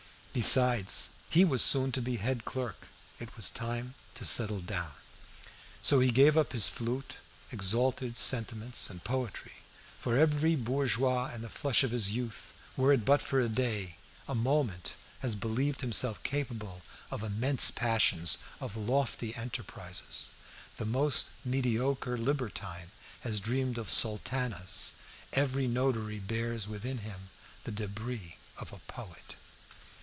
Besides, he was soon to be head clerk; it was time to settle down. So he gave up his flute, exalted sentiments, and poetry; for every bourgeois in the flush of his youth, were it but for a day, a moment, has believed himself capable of immense passions, of lofty enterprises. The most mediocre libertine has dreamed of sultanas; every notary bears within him the debris of a poet.